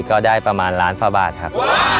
ก็ได้ประมาณล้านฝ่าบาทครับ